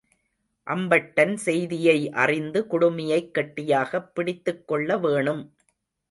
அம்பட்டன் செய்தியை அறிந்து குடுமியைக் கெட்டியாகப் பிடித்துக் கொள்ள வேணும்.